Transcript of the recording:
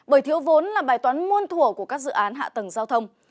bởi thiếu vốn là bài toán muôn thủ của các dự án hạ tầng giao thông